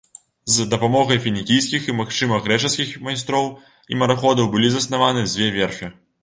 З дапамогай фінікійскіх і, магчыма, грэчаскіх майстроў і мараходаў былі заснаваны дзве верфі.